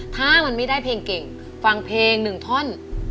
ถ้ามันไม่ได้เพลงเก่งฟังเพลงหนึ่งท่อน